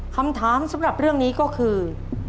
คำถามสำหรับเรื่องนี้ก็คือ